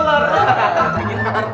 manis sama telur